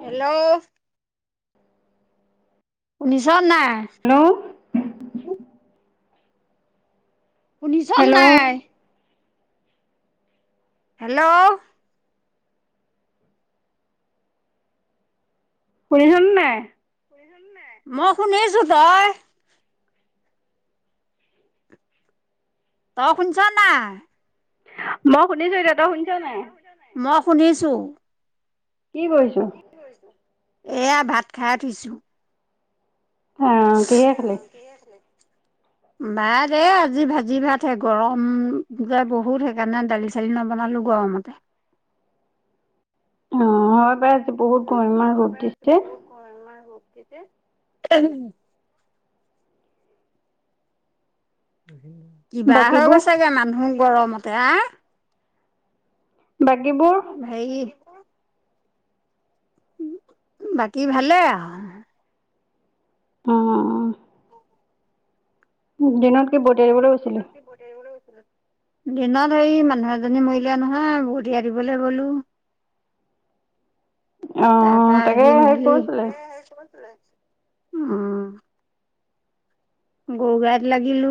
Hello. শুনিছ নে নাই? শুনিছ নাই? হেল্ল'। শুনিছ নাই? মই শুনিছো তই? তই শুনিছ নাই? মই শুনিছো। কি কৰিছ? এয়া ভাত খাই উঠিছো৷ আহ কিহে খালি? [inaudible] ভাত এই আজি ভাজি ভাতহে গৰম যে বহুত সেইকাৰণে দালি চালি নবনালো গৰমতে। [inaudible] অ', হয় পাই আ বহুত গম ইমান ৰ'দ দিছে। [inaudible] কিবা হৈ গৈছেগে মানুহ গৰমতে আহ। অ', হেৰি! বাকী ভালে আৰু? অহ। দিনত দিন কি [unintelligible] গৈছিলে? দিনত হেৰি মানুহ এজনী মৰিলে নহয় ভতিয়াই দিবলৈ গ'লো। তাৰপা আহি মেলি উম। গৰু গাইত লাগিলো।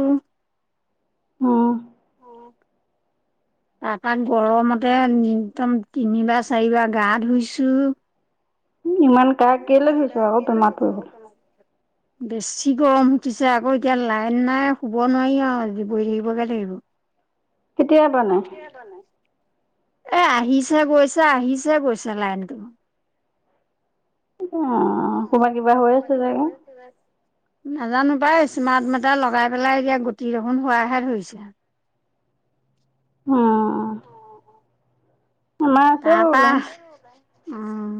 অ'। তাৰ পা গৰমতে একদম তিনিবাৰ চাৰিবাৰ গা ধুইছো। ইমান গা কেলেই ধুইছ আৰু বেমাৰত পৰিবলৈ। বেছি গৰম উঠিছে। আকৌ এতিয়া লাইন নাই শুব নোৱাৰি আৰু আজি বহি থাকিবগে লাগিব। কেতিয়া জানে? এ আহিছে গৈছে আহিছে গৈছে লাইনটো। অহ কৰবাত কিবা হৈ আছে চাগে। নাজানো পাই স্মাৰ্ট মিটাৰ লগাই পেলাই এতিয়া গতি দেখুন নোহোৱাহে ধৰিছে। অহ। মা আছে বাৰু ওলাই। উম,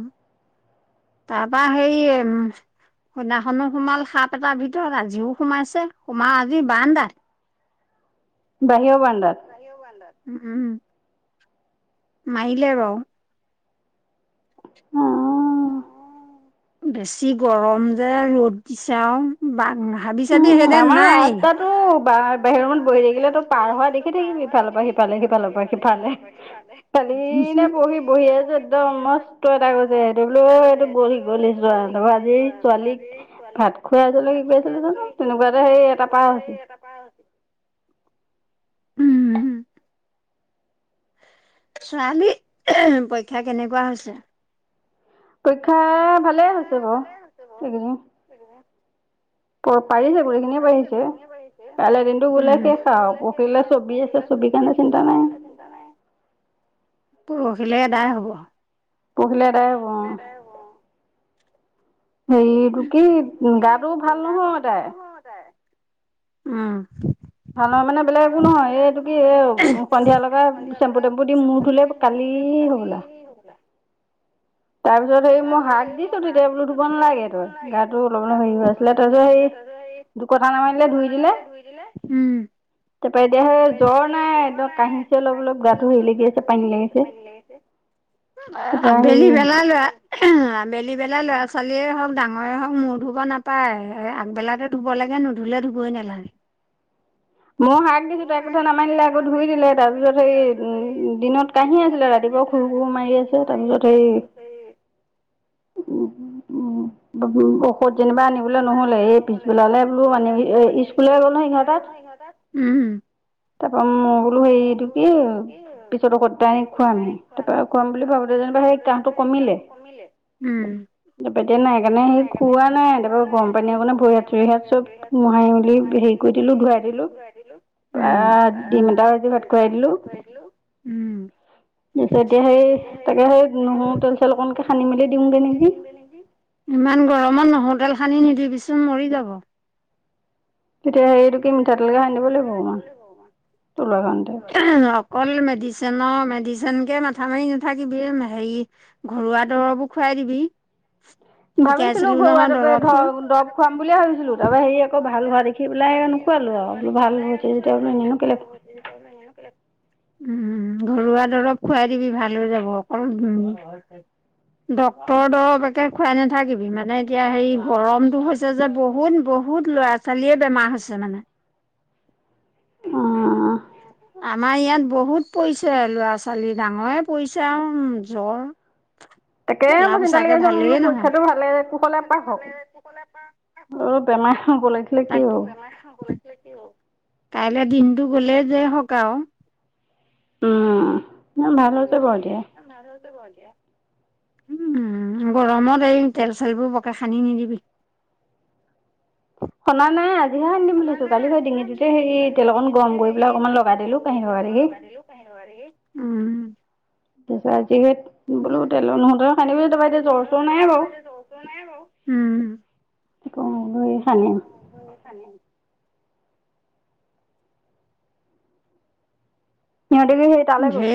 তাৰপা সেই সেইদিনাখনো সোমাল সাপ এটাৰ ভিতৰত আজিও সোমাইছে সোমা আজি বাৰান্ডাত। বাহিৰ বাৰান্ড বাহিৰৰ বাৰান্ডাত? উম, উম মাৰিলে বাৰু। অহ। অহ, বেছি গৰম যে ৰ'দ দিছে আৰু বা উম, মাৰ ৰাস্তাটো বা বাহিৰ ৰুমত বহি থাকিলে পাৰ হোৱা দেখি থাকিবি ইফালৰ পৰা সিফালে। ইফালৰ পৰা সিফালে কালি নে পৰহি বহিয়ে আছোঁ একদম মস্ত এটা গৈছে সেইটো বোলো অ' এইটো গলি গলি যোৱা আজি ছোৱালীক ভাত খুৱাই আছিলো কি ন তেনেকুৱা এতে সেই এটা পা উম। ছোৱালী পৰীক্ষা কেনেকুৱা হৈছে? পৰীক্ষা ভালে হৈছে বাৰু এইকেদিন। প পাৰিলে গোটেইখিনিয়ে পাৰিছে কাইলৈ দিনটো গ'লে শেষ আৰু পখিলা ছবি আছে ছবি কাৰ চিন্তা নাই। পৰহিলৈ এডাই হ'ব? পৰহিলে এদাই হ'ব অ'। হেৰি ইটো কি গাটো ভাল নহয় তাইৰ। উম। ভাল হয় মানে বেলেগ একো নহয় এইটো কি এ সন্ধিয়া লগা চেম্পু টেম্পু দি মূৰ ধুলে কালি ধুলে কালি হ'বলা! তাৰপিছত সেই মই হাক দিছো তেতিয়া বোলো ধুব নালাগে। গাটো অলপ অলপ হেৰি হৈ আছিলে তাৰপিছত হেই কথা নামানিলে ধুই দিলে। উম। তাৰপৰা এতিয়া জ্বৰ নাই ত কাহী অলপ অলপ গা ধুলে লাগিছে পানী লাগি আছে। আবেলি বেলাই লোৱা আবেলি বেলাই লৰা ছোৱালীয়ে হওঁক ডাঙৰে হওক মূৰ ধুব নাপায় আগবেলাতে ধুব লাগে নুধুলে ধুবই নালাগে। [inaudible] মই আগ দিছো তই কথা নামানিলে আকৌ ধুই দিলে। তাৰপিছত সেই উম দিনত কাহি আছিলে ৰাতি কি আছিলে ৰাতিপুৱা কুহু কুহু মাৰি মাৰি আছে। তাৰ পিছত সেই উম। উম, ঔষধ যেনিবা আনিবলৈ নহ'লে এই পিছবেলালে বোলো মানে স্কুলে গ'ল নহয় সিহঁতৰ। [unintelligible] ইহঁতৰ তাৰপা মই বোলো সেইটো কি পিছত সদায় খুৱোৱাময়ে তাৰপৰা খুৱাম বুলি ভাবোতে যেনিবা সেই কাহটো কমিলে। [inaudible] এতিয়া নাই সকাৰণে খোৱা নাই তাৰপা গৰম পানী আকমানে ভৰি হাতৰি হাত চব মোহি মি হেৰি কৰিল ঘূৰাই দিলো দিম এটা বাজি ভাত খুৱাই দিলো। উম। তাৰপিছত এতিয়া সেই তাকে সেই নহৰু তেল চেল অকমাণকে খানি মেলি দিওঁগে নেকি। ইমান গৰমত নহৰু তেল সানি নিদিবিচোন মৰি যাব। এতিয়া এই মিঠাতেলকে খানি দিব লাগিব অকমান। অকল মেডিচনৰ মেডিচ যেনকে মাথা মাৰি নাথাকিবি হেৰি ঘৰুৱা দৰবো খুৱাই দিবি। ভাবিছিলো ঘৰুৱা তপ ধৰ দৰৱ খুৱাম বুলিয়ে ভাবিছিলো তাৰ পৰাৰা হেৰি আকৌ ভাল হোৱা দেখি নুখোৱালো আৰু ভাল হৈছে যেতিয়া এনেইনো কেলে খুৱাই। উম, ঘৰুৱা দৰৱ খুৱাই দিবি ভাল হৈ যাব অকল ডক্তৰ দৰৱে খুৱাই নাথাকিবি মানে এতিয়া হেৰি গৰমতটো হৈছে যে বহুত বহুত ল'ৰা ছোৱালীয়ে বেমাৰ হৈছে মানে। আমাৰ ইয়াত বহুত পৰিছে ল'ৰা ছোৱালী ডাঙৰে পৰিছে আৰু জ্বৰ তাকে মই চিন্তা লাগি আছে মই বোলো পৰীক্ষাটো ভালে কুশলে পাৰ হ'ক। অলপ বেমাৰ হ'ব লাগে। তাক [unintelligible] কাইলে দিনটো গ'লে যে হকও আৰু। উম, ভাল হৈ যাব বাৰু দিয়া। [inaudible] উম, গৰমত এই তেল চেলবোৰ বকে খানি নিদিবি। শুনা নাই কালি গৈ ডিঙিটোতে তেল অকন গৰম কৰি পেলাই অকমান লগাই দিলো কাঁহী থকা দেখি। উম। তাৰপিছত আজি সেই বোলো তেলৰ নোহোতে খানি এতিয়া জ্বৰ চৰ নাইে বাৰু। উম। সিহঁতে কি সেই তালে গ'ল?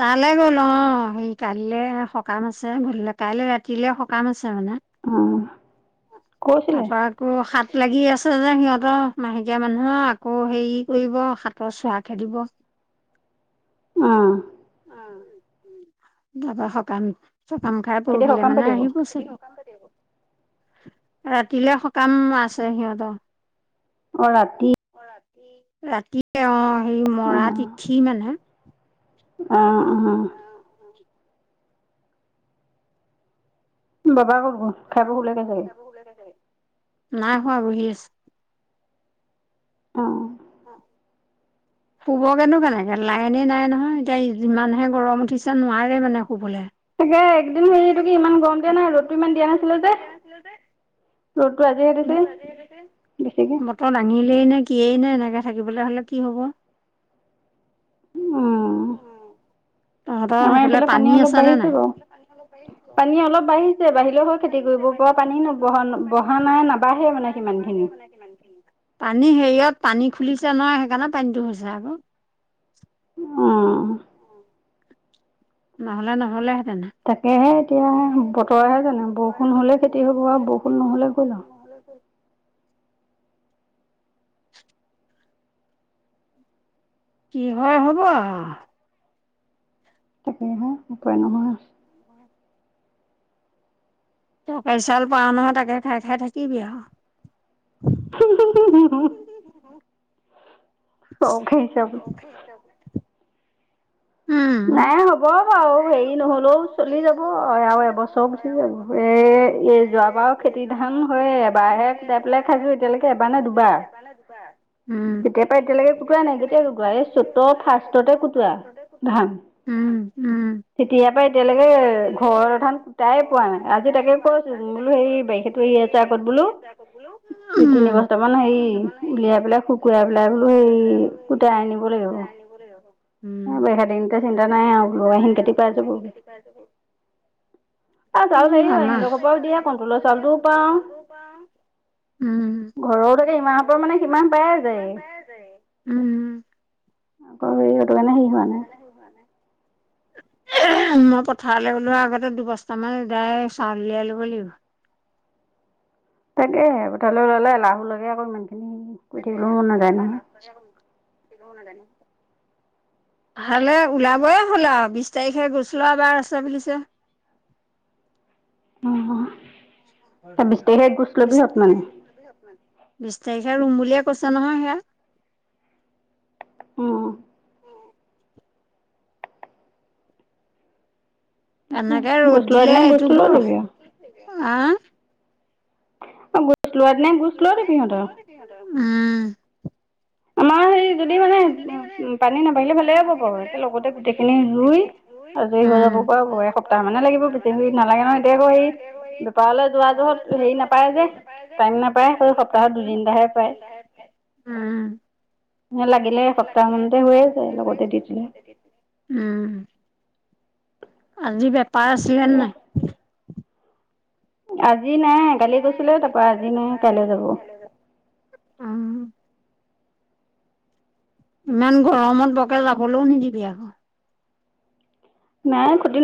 তালৈ গ'ল অ' সেই কাইলে সকাম আছে কাইলৈ ৰাতিলে সকাম আছে মানে। অহ কৈছিলে। লাগি আছে যে সিহঁতৰ মাহেকীয়া মানুহৰ আকৌ হেৰি কৰিব হাতৰ চোৱা খেদিব। [inaudible] অ'। তাৰ পা সকাম সকাম খাই পৰহিলে মানে আহিব চাগে। ৰাতিলে সকাম আছে সিহঁতৰ। অ', ৰাতি। ৰাতি অ' সেই মৰা তিথি মানে। আহ অ'। [inaudible] বাবা কৰ নাই খোৱা বহি আছে। অ'। অ'। শুবগেনো কেনেকে লাইনে নাই নহয় এতিয়া যিমানহে গৰম উঠিছে নোৱাৰে মানে শুবলৈ। তাকে একদিন হেটো কি ইমান গৰম দিয়া নাই ৰ'দটো ইমান দিয়া নাছিলো যে। ৰ'দতটো আজিহে দিছে বেছিকে। সিয়েই নে এনেকে থাকিবলৈ হ'লে কি হ'ব। উম, তহঁতৰ সেইফালে পানী আছ নে নাই? পানী অলপ বাঢ়িছে বাঢ়িলেও হয় খেতি কৰিব পৰা পানী নবহা বহা নাই নাবাঢ়ে মানে সিমান। পানী হেৰিয়ত পানী খুলিছে নহয় সেইকাৰণে পানীতটো হৈছে আকৌ। অহ। নহ'লে নহ'লে তাকেহে এতিয়া বতৰে জানে বৰষুণ হ'লে ক্ষতি হ'ব আৰু বৰষুণ নহ'লে [inaudible] কি হয় হ'ব আৰু। তাকেহে উপায় নোহোৱা [inaudible] চৰকাৰী চাউল পাৱ নহয় তাকে খাই খাই থাকিবি আৰু। [inaudible] [inaudible] নাই হ'ব। হেৰি নহ'লেও চলি যাব আৰু এবছৰ গুচি যাব এ এ যোৱা বাৰ যোৱা বাৰো খেতি নখনানো হয় এবাহে খাই পেলাই খাইো এতিয়ালৈকে এবাৰ নে দুবাৰ। তাৰপা এতিয়ালৈকে কুটোৱা নাই কেতিয়া কুকোৱা এই চত ফাৰ্ষ্টতে কুটোৱা। উম, উম। তেতিয়াৰ পৰা এতিয়ালৈকে ঘৰৰ ধান কুটাইে পোৱা নাই। আজি তাকে কৈছো বোলো হেই বাৰিষাটো আগত বোলো তিনি বছতা মান হেৰি উলিয়াই পেলাই শুকুৰাই পেলাই বোলো হেৰি কোটাই আনব লাগিব। এ বাৰিষা দিন কেইটা চিন্তা নাই আৰু। চিন্তা নাই আৰু আহি [unintelligible] উম, আমাহ উম, [unintelligible] উম। আকৌ হেৰি হেটো কাৰণে হেৰি হোৱা নাই। [inaudible] মই পথাৰলৈ ওলোৱা আগতে দুবছতা মান দায় চাউল উলিয়াই ল'ব লাগিব। তাকেহে পঠাৰলে গ'লে এলাহু লগে অকৌ ইমান তাকহে পথাৰলৈ গ'লে এলাহু লাগে [unintelligible] ভালে ওলাবই হ'ল আৰু বিছ তাৰিখে গৈছিল লোৱা এবাৰ আছে পিছে [inaudible] উম। [inaudible] বিশ তাৰিখে ৰুম বুলিয়ে কৈছে নহয় সেয়া। উম। এনেকে ৰ'দ দিলে এইটো গৰম আ? ঘুচ লোৱা নাই ঘুচ লোৱাৰ সিহঁতৰ উম। আমাৰ হেৰি যদি মানে উম-পানী নাবাঢ়িলে ভালেই হ'ব বাৰু একে লগতে গোটেইখিনি ৰুই আজৰি হৈ যাব পাৰু আকৌ এসপ্তাহ মানে লাগিব বেছি নালাগে নহয় এতিয়া আকৌ সেই বেপাৰলৈ যোৱা যোৱা হেৰি নাপায় যে টাইম নাপ টাইম নাপায় [unintelligible] উম। [unintelligible] উম। আজি বেপাৰ আছিলেনে নাই? আজি নাই কালি গৈছিলে তাৰ পা আজি নাই কাইলৈ যাব। উম। ইমান গৰমত বকে যাবলৈও নিদিবি আকৌ।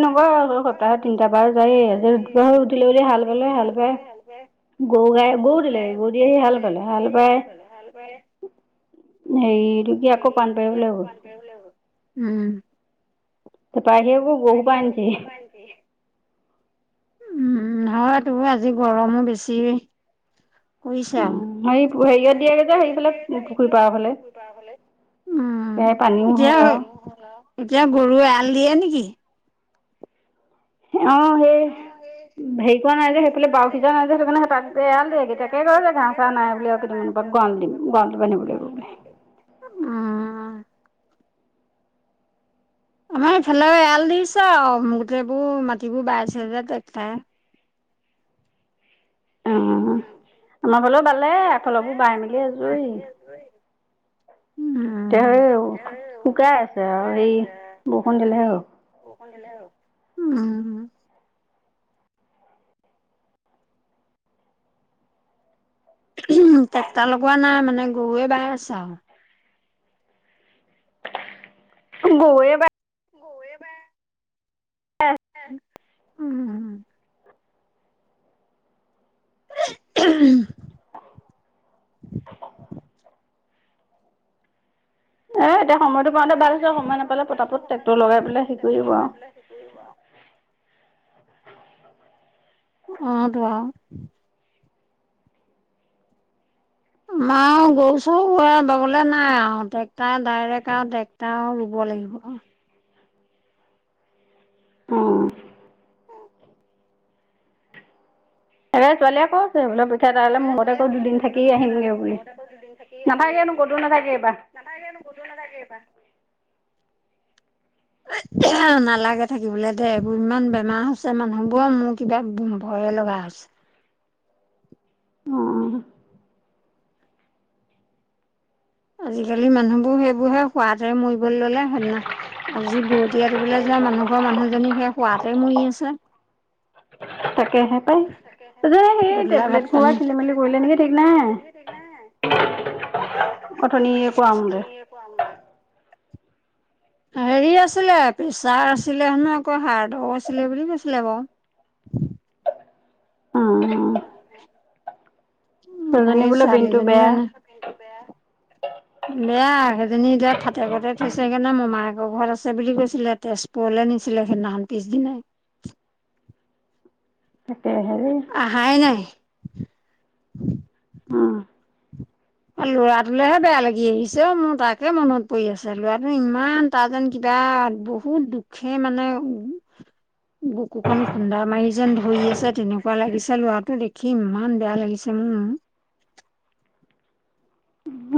নাই [unintelligible] আৰু সপ্তাহত তিনটা বাৰ যায়। হাল বালে হাল বায় [unintelligible] হাল বালে হাল বায় হেৰি আকৌ পাণ পাৰিব গ'ল। তাৰ পা আহি আকৌ গৰু খোপা আনিছেহি। উম, হয় তোৰ আজি গৰমো বেছি। উম, হে হেৰিয়ত দিয়া গে নে হেৰি পুখুৰী পাৰ ফালে। সেয়াই পানীও হ'ল আৰু। এতিয়া গৰু এল দিয়ে নেকি? অ', সেই হেৰি কৰাোৱা নাই যে সেই ফালে বাও সিচা নাই যে সেইকাৰণে তাত এৰাল দিয়ে গে তাকে কৈছে যে ঘাহ চাহ নাই বুলি আৰু কেতিয়া গোৱাল দিম গোৱালিব নিব গ'লে উম। আমাৰ ইফালে এৰাল দিছে আৰু গোটেইবোৰ মাটিবোৰ বাইছে যে টেক্টৰে। উম, আমাৰ ফলেবালে এখলপো বাই মেলি আজৰি। এতিয়া সেই শুকাই আছে আৰু সেই বৰষুণ দিলেহে হ। উম। ট্ৰেক্টাৰ লগোৱা নাই মানে গৰুৱে বাই আছে আৰু। গৰু গৰুৱে বাই। উম। [inaudible] আহ দে সময়টো পাওঁতে বায় থৈছে, সময় নাপালে পতাপত ট্ৰেক্টৰ লগাই পেলাই হে কৰিদিও আৰু। অ' টোৱা। আমাৰ গৰু চৰু বোৱা বাবলে নাই আৰু ট্ৰেক্টাৰ ডাইৰেক্ট আৰু টেক্টাৰ ৰুব। ৰুব লাগিব অ'। এ ছোৱালীয়ে কছে বোলে। এতিয়া তাৰলে ঘৰতে দুদিন থাকি আহিমগে বুলি নাথাকেনো ক'তো নাথাকে এইবাৰ। নাথাকেনো কতো নাথাকে এবাৰ। নালাগে থাকিবলৈ দে এইবোৰ ইমান বেমাৰ হৈছে মানুহবোৰ মোৰ কিবা ভয়ে লগা হৈছে। [inaudible] আজিকালি মানুহবোৰ সেইবোৰ হে সোৱাদে মৰিবলৈ ল'লে সেদিনা আজি বতীয়াটো বোলে। মানুহ ঘৰ মানুহজনী সেই শুৱাতে মৰি আছে। তাকে হে। সেইজনী সেই টেবলেট খোৱা খেলি মেলি কৰিলে নেকি ঠিক নাই। অথনি কোৱামতে। হেৰি আছিলে প্ৰেছাৰ আছিলে হেনো আকৌ হাৰ্ডৰ আছিলে বুলি কৈছিলে বাৰু। [unintelligible] আমাৰ মানে ছোৱালীজনী মানে। বেয়া, সেইজনী এতিয়া ফাটে কতে থৈছে গৈ নে মোমাইকে। অঘৰ আছে বুলি কৈছিলে, তেজপুৰলৈ নিছিলে সেইদিখন পিছদিনাই। [inaudible] অহাই নাই। লৰাটোলেহে বেয়া লাগি আহিছে অ' মোৰ তাকে মনত পৰি আছে লৰাটো ইমান তা যেন কিবা এয়া বহুত দুখে মানে উ। বুকুখনন খুন্দা মাৰি যেন ধৰি আছে, তেনেকুৱা লাগিছে, ল'ৰাটো দেখি ইমান বেয়া লাগিছে মো। উম।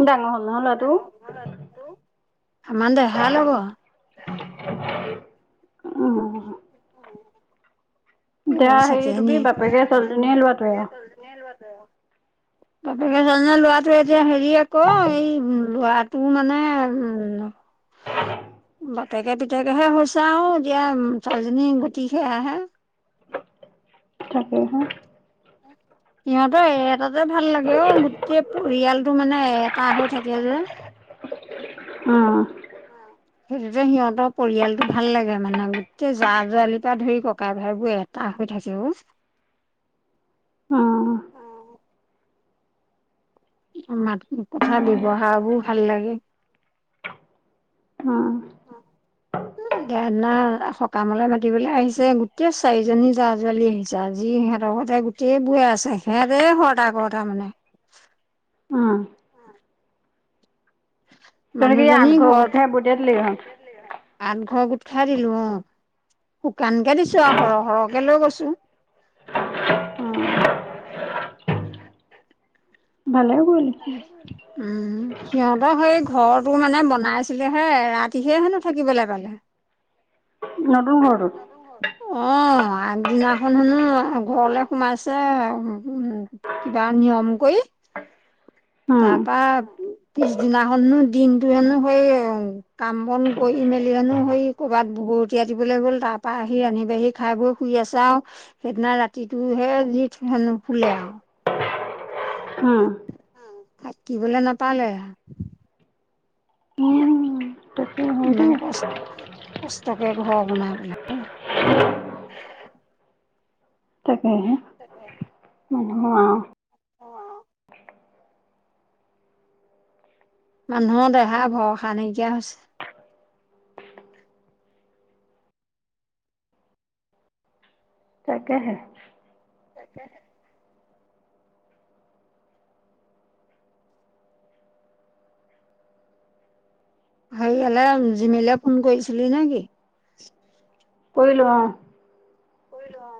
ডাঙৰ। আমান দেহাৰ লগ। আহ অ' এই বাৰ ছেকেণ্ড ইয়েৰৰ। বাপেকে ছোৱালীজনিয়ে ল'ৰাটোৱে এতিয়া হেৰি আকৌ এই ল'ৰা। তোৰ মানে, উম। বাপেকে পিতেকেহে হৈছে আৰু দিয়া ছোৱালী জনি গটি খেয়া আহে। তাকে হে। সিহঁতৰ এ এটাটে যে ভাল লাগে অ' গোটেই পৰিয়ালটো মানে এটা হৈ থাকে যে। [unintelligible] অ' সেইটো সিহঁতৰ পৰিয়ালতটো ভাল লাগে মানে গোটেই জা জোৱালিৰ পৰা ধৰি ককাই ভাইবোৰ এটা। [unintelligible] মাত কথাৰ ব্যৱহাৰবোৰ ভাল লাগে। অ'। [unintelligible] সকামলৈা মাতিবলৈ আহিছে গোটেই চাৰিজনী জা জোৱালী আহিছে আজি। সিহঁতৰ ঘতে গোটেই বোৰে আছে সিহঁতে হৰ্তা কৰতা মানে। অ'। মানুহজনী ঘৰ আঠ ঘৰ গো উঠাইদিলোঁ অ' শুকানকে দিছো আৰু সৰহ সৰহকে লৈ গৈছো। উম। ভালেও। উম। সিহঁতৰ সেই ঘৰটো মানে বনাইছিলে হে এৰাতিহে হেনো থাকিবলৈ পালে। উম '। আগদিনাখন শুনো ঘৰলৈ সোমাইছে কিবা নিয়ম কৰি। [inaudible] তাৰপা পিছদিনাখননো দিনটো হেনো সেই কাম বন কৰি মেলি হেনো সেই কৰ'বাত ব পৰট আ দিবলৈ গ'ল তাৰ পা আহি ৰান্ধি বাঢ়ি খাই বৈ শুই আছে আৰু সেইদিনা ৰাতিটোহে যি [unintelligible] আও। উম। আঁকিবলৈ নাপালে। ইমান কষ্ট। কষ্টকে ঘৰ বনাই পেলাই। তাকেহে। তাকেহে। অ'। মানুহৰ দেহাৰ ভৰসা নাইকিয়া হৈছে। তাকেহে। তাকেহে। হৈ গলে জিমিলে ফোন কৰিছিলি নে কি? কৰিলো অ'। কৰিলোঁ অ'।